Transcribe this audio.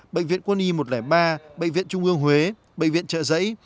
bệnh viện quân y một trăm linh ba bệnh viện trung ương huế bệnh viện trợ giấy